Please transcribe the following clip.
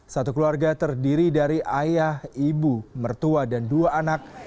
satu keluarga terdiri dari ayah ibu mertua dan dua anak